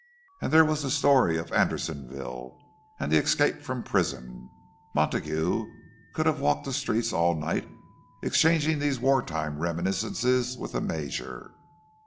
And there was the story of Andersonville, and the escape from prison. Montague could have walked the streets all night, exchanging these war time reminiscences with the Major.